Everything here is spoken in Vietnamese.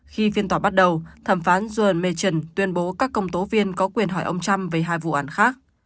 khi phiên tòa bắt đầu thẩm phán john mton tuyên bố các công tố viên có quyền hỏi ông trump về hai vụ án khác